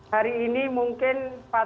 hari ini mungkin